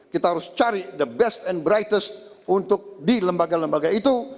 kita harus cari yang terbaik dan terbesar di lembaga lembaga itu